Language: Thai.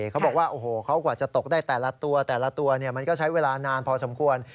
เขาบอกว่าโอ้โหเขากว่าจะตกได้แต่ละตัวแต่ละตัวมันก็ใช้เวลานานพอสมควร